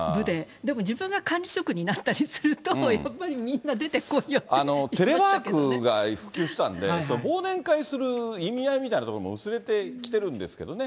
でも自分が管理職になったりすると、やっぱりみんな出てこいよっテレワークが普及したんで、忘年会する意味合いみたいなところも薄れてきてるんですけどね。